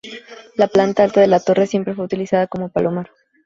La planta alta de la torre siempre fue utilizada como palomar.